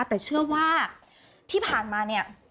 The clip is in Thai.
แต่เชื่อว่าที่ผ่านมาเนี่ย